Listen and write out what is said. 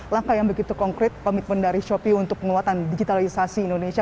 langkah yang begitu konkret komitmen dari shopee untuk penguatan digitalisasi indonesia